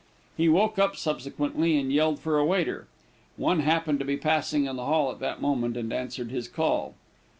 He woke up subsequently, and yelled for a waiter. One happened to be passing in the hall at that moment, and answered his call.